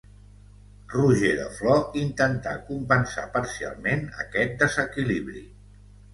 Roger de Flor intentà compensar parcialment aquest desequilibri.